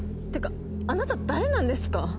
ってかあなた誰なんですか？